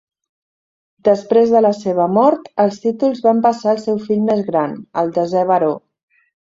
Després de la seva mort, els títols van passar al seu fill més gran, el desè baró.